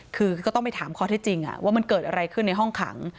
คือก็ต้องไปถามข้อที่จริงว่ามันเกิดอะไรขึ้นในห้องขัง